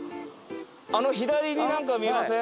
あの左になんか見えません？